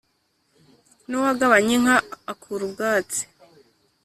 n'uwagabanye inka akura ubwatsi,